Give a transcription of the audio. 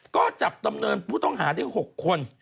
ก็จับดำเนินผู้ต้องหาได้๖คน